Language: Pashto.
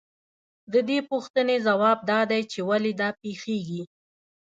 د دې پوښتنې ځواب دا دی چې ولې دا پېښېږي